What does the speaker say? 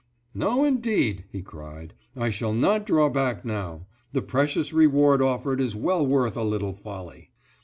"No, indeed," he cried, "I shall not draw back now; the precious reward offered is well worth a little folly."